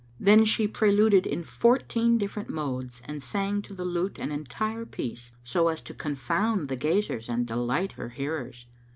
Then she preluded in fourteen different modes and sang to the lute an entire piece, so as to confound the gazers and delight her hearers.